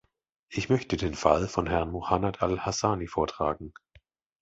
Ich möchte den Fall von Herrn Muhannad Al Hassani vortragen.